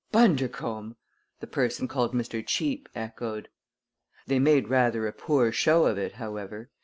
Bundercombe!" the person called Mr. Cheape echoed. They made rather a poor show of it, however.